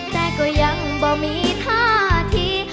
แต่ก็ยังบ่มีท่าที